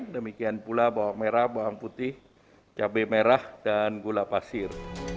demikian pula bawang merah bawang putih cabai merah dan gula pasir